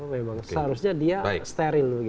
memang seharusnya dia steril